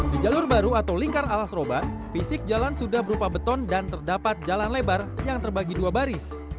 di jalur baru atau lingkar alas roban fisik jalan sudah berupa beton dan terdapat jalan lebar yang terbagi dua baris